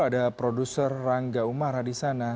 ada produser rangga umara di sana